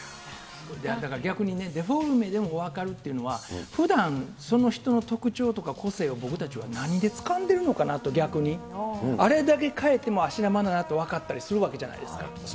だから逆にね、デフォルメでも分かるっていうのは、ふだん、その人の特徴とか個性を僕たちは何でつかんでいるのかなと、逆に、あれだけ変えても、芦田愛菜だって分かったりするわけじゃないですか。